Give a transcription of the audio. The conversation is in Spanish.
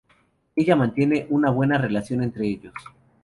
Ella mantiene una buena relación entre ellos.